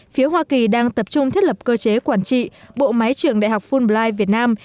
phía hoa kỳ đang tập trung thiết lập cơ chế quản trị bộ máy trường đại học fulblight việt nam